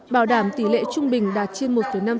bảo đảm tỷ lệ trung bình đạt trên một năm dân số hiến máu